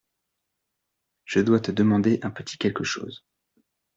Je dois te demander un petit quelque chose.